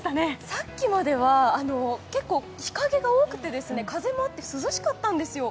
さっきまでは結構、日陰が多くて風もあって涼しかったんですよ。